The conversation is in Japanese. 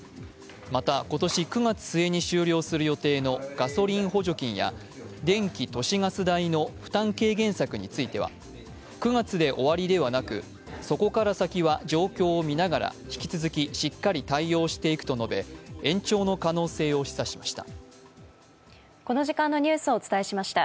また、今年９月末に終了する予定のガソリン補助金や電気・都市ガス代の負担軽減策については、９月で終わりではなく、そこから先は状況を見ながら引き続き、しっかり対応していくと述べ、延長の可能性を示唆しました。